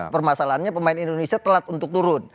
permasalahannya pemain indonesia telat untuk turun